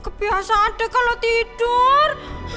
kebiasaan deh kalo tidur